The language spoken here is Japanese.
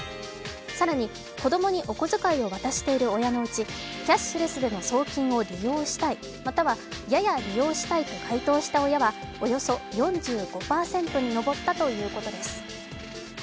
更に子供にお小遣いを渡している親のうちキャッシュレスでの送金を利用したいまたはやや利用したいと回答した親はおよそ４５％に上ったということです。